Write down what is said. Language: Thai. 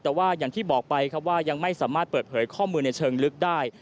แต่ว่าอย่างที่บอกไปครับว่ายังไม่สามารถเปิดเผยข้อมูลในเชิงลึกได้